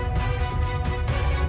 nói cách khác